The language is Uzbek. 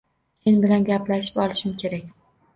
Sen bilan gaplashib olishim kerak!